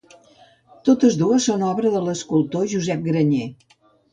Totes dues són obra de l'escultor Josep Granyer.